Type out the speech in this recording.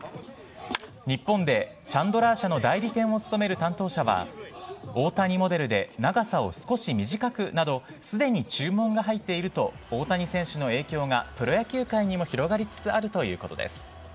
日本でチャンドラー社の代理店を務める担当者は、大谷モデルで長さを少し短くなど、すでに注文が入っていると、大谷選手の影響がプロ野球界にも広がりつつあるということです。